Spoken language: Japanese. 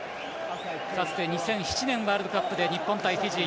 かつて２００７年ワールドカップで日本対フィジー。